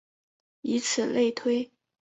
以此类推。